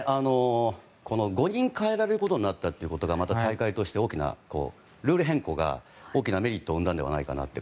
５人代えられることになったという大会として大きなルール変更が大きなメリットを生んだのではないかなと。